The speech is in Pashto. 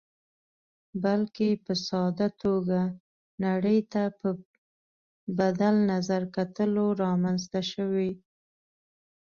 بلکې په ساده توګه نړۍ ته په بدل نظر کتلو رامنځته شوې.